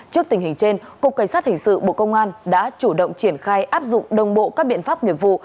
trước tình hình trên cục cảnh sát hình sự bộ công an đã chủ động triển khai áp dụng đồng bộ các biện pháp nghiệp vụ